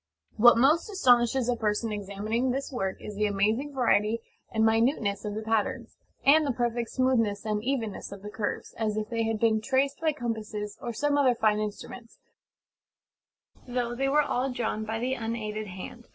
What most astonishes a person examining this work is the amazing variety and minuteness of the patterns, and the perfect smoothness and evenness of the curves, as if they had been traced by compasses or some other fine instruments; though they were all drawn by the unaided hand.